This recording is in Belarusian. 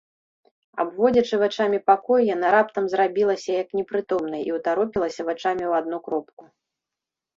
Абводзячы вачамі пакой, яна раптам зрабілася як непрытомнай і ўтаропілася вачамі ў адну кропку.